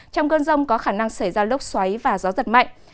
trong cơn rông có khả năng xảy ra lốc xoáy và gió giật mạnh